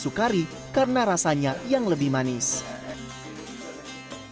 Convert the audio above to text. sukari karena rasanya yang lebih manis kemudian jungluk yani